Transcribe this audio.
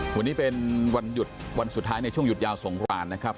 วันนี้เป็นวันหยุดวันสุดท้ายในช่วงหยุดยาวสงครานนะครับ